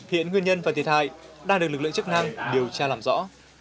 hiện nguyên nhân và thiệt hại đang được lực lượng chức năng điều tra làm rõ